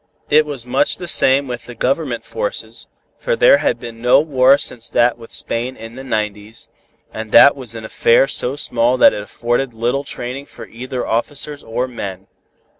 It was much the same with the Government forces, for there had been no war since that with Spain in the nineties, and that was an affair so small that it afforded but little training for either officers or men.